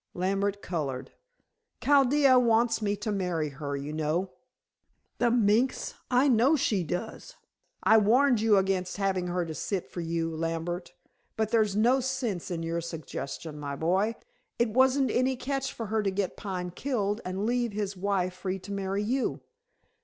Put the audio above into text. Lambert colored. "Chaldea wants me to marry her, you know." "The minx! I know she does. I warned you against having her to sit for you, Lambert. But there's no sense in your suggestion, my boy. It wasn't any catch for her to get Pine killed and leave his wife free to marry you."